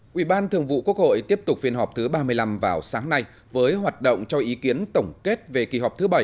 quỹ ban thường vụ quốc hội tiếp tục phiên họp thứ ba mươi năm vào sáng nay với hoạt động cho ý kiến tổng kết về kỳ họp thứ bảy